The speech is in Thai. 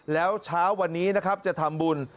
แล้วเช้าวันนี้นะครับจะทำบุญ